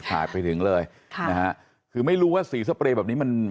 ไข่ไปถึงเลยคือไม่รู้ว่าสี่สะเปรดแบบนี้มัน